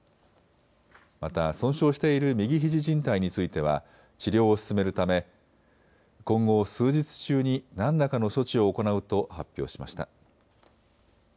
また損傷している右ひじじん帯については治療を進めるため今後、数日中に何らかの処置を行うと発表しました。